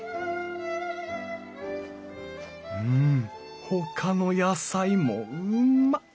うんほかの野菜もうんま！